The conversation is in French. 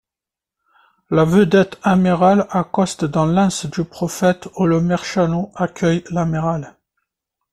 La vedette amirale accoste dans l'anse du prophète où le maire Chanot accueille l'amiral.